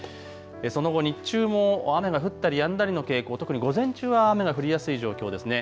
その後、日中も雨が降ったりやんだりの傾向、特に午前中は雨が降りやすい状況ですね。